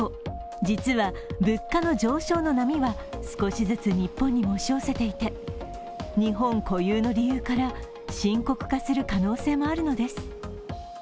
実は物価の上昇の波は少しずつ日本にも押し寄せていて日本固有の理由から深刻化する可能性もあるのです。